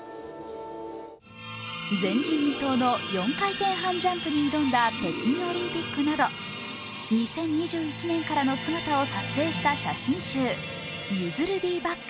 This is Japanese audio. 前人未到の４回転半ジャンプに挑んだ北京オリンピックなど２０２１年からの姿を撮影した写真集「ＹＵＺＵ’ＬＬＢＥＢＡＣＫⅣ」。